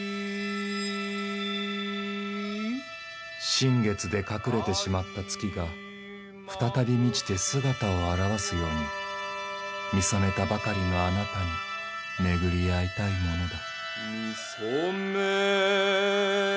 新月で隠れてしまった月が再び満ちて姿を現すように見初めたばかりのあなたに巡り逢いたいものだ。